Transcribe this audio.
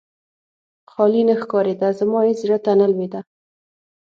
خالي نه ښکارېده، زما هېڅ زړه ته نه لوېده.